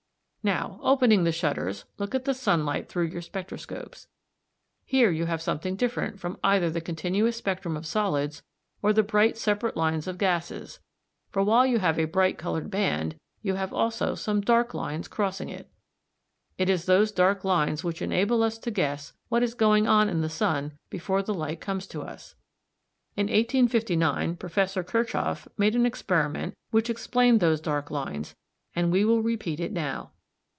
Now, opening the shutters, look at the sunlight through your spectroscopes. Here you have something different from either the continuous spectrum of solids, or the bright separate lines of gases, for while you have a bright coloured band you have also some dark lines crossing it (No. 2, Plate I.) It is those dark lines which enable us to guess what is going on in the sun before the light comes to us. In 1859 Professor Kirchhoff made an experiment which explained those dark lines, and we will repeat it now.